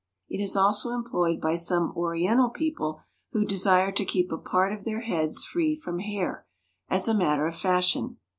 It is also employed by some Oriental people who desire to keep a part of their heads free from hair, as a matter of fashion.